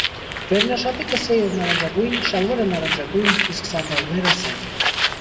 Վենաշապիկը սև և նարնջագույն, շալվարը՝ նարնջագույն, իսկ սանդալները՝ սև։